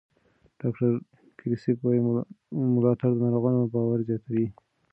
ډاکټر کریسپ وایي ملاتړ د ناروغانو باور زیاتوي.